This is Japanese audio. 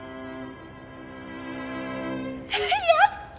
やった！